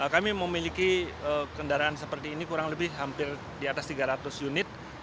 kami memiliki kendaraan seperti ini kurang lebih hampir di atas tiga ratus unit